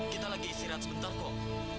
kita lagi istirahat sebentar kok